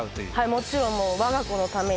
もちろん。